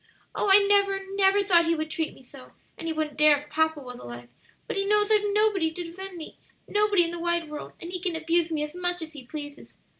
"Oh, I never, never thought he would treat me so! and he wouldn't dare if papa was alive; but he knows I've nobody to defend me nobody in the wide world, and he can abuse me as much as he pleases.